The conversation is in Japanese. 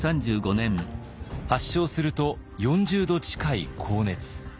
発症すると４０度近い高熱。